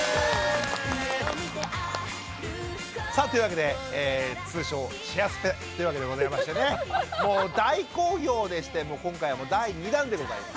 さあというわけで通称「シェアスペ」というわけでございましてねもう大好評でして今回は第２弾でございます。